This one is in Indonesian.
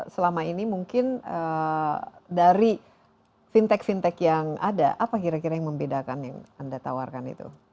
selama ini mungkin dari fintech fintech yang ada apa kira kira yang membedakan yang anda tawarkan itu